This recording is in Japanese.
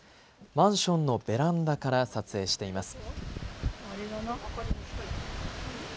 マンションのベランダから撮影しています。